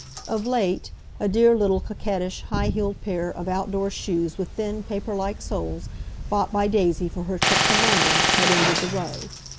Of late a dear little coquettish high heeled pair of outdoor shoes with thin, paperlike soles, bought by Daisy for her trip to London, had ended the row.